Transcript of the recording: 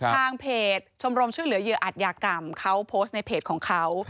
ทางเพจชมรมช่วยเหลือเหยื่ออัตยากรรมเขาโพสต์ในเพจของเขา